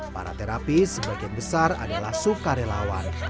para terapi sebagian besar adalah sukarelawan